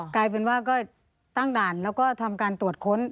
กลายเป็นว่าก็ตั้งด่านแล้วก็ทำการตรวจค้น